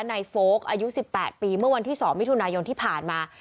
โฟลกอายุ๑๘ปีเมื่อวันที่๒มิถุนายนที่ผ่านมา